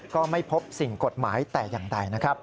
ก็ไม่พบสิ่งกฎหมายแต่อย่างใดนะครับ